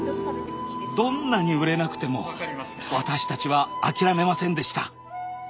どんなに売れなくても私たちは諦めませんでした。